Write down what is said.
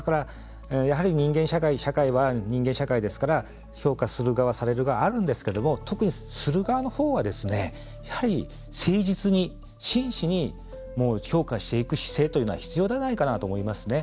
社会は人間社会ですから評価する側される側あるんですけど特にする側のほうは誠実に真摯に評価していく姿勢というのは必要ではないかなと思いますね。